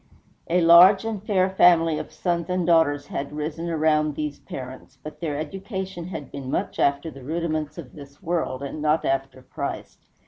A large and fair family of sons and daughters had risen around these parents; but their education had been much after the rudiments of this world, and not after Christ.